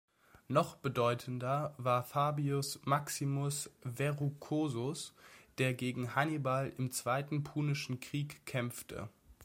Noch bedeutender war Fabius Maximus Verrucosus, der gegen Hannibal im Zweiten Punischen Krieg kämpfte.